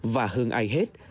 và hơn ai hết